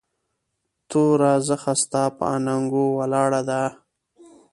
توره زخه ستا پهٔ اننګو ولاړه ده